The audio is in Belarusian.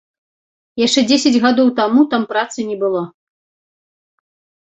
Яшчэ дзесяць гадоў таму там працы не было!